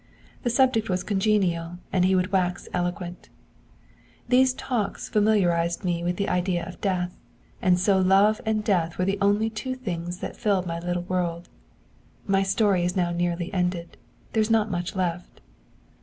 The subject was congenial and he would wax eloquent. These talks familiarised me with the idea of death; and so love and death were the only two things that filled my little world. My story is now nearly ended there is not much left.'